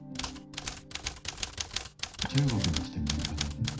中国に来て６日目。